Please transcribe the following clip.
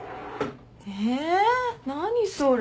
えー何それ。